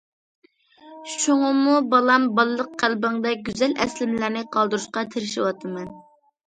شۇڭىمۇ بالام، بالىلىق قەلبىڭدە گۈزەل ئەسلىمىلەرنى قالدۇرۇشقا تىرىشىۋاتىمەن.